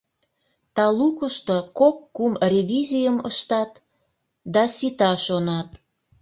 Талукышто кок-кум ревизийым ыштат да, сита, шонат.